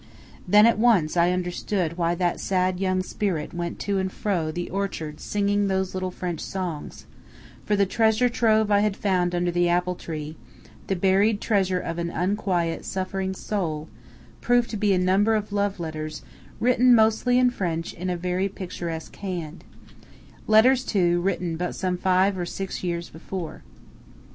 Then at once I understood why that sad young spirit went to and fro the orchard singing those little French songs for the treasure trove I had found under the apple tree, the buried treasure of an unquiet, suffering soul, proved to be a number of love letters written mostly in French in a very picturesque hand letters, too, written but some five or six years before.